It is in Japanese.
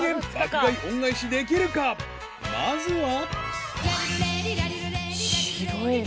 ［まずは］